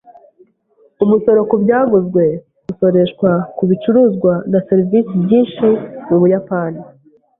Umusoro ku byaguzwe % usoreshwa ku bicuruzwa na serivisi byinshi mu Buyapani.